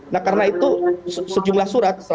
nah karena itu sejumlah surat